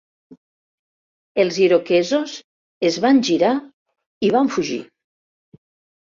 Els iroquesos es van girar i van fugir.